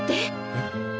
えっ？